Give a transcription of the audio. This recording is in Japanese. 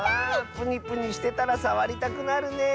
プニプニしてたらさわりたくなるね。